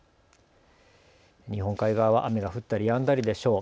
日本海側は雨が降ったりやんだりでしょう。